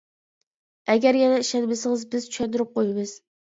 ئەگەر يەنە ئىشەنمىسىڭىز بىز چۈشەندۈرۈپ قويىمىز.